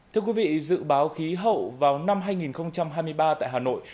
thưa quý vị dự báo khí hậu vào năm hai nghìn hai mươi ba tại hà nội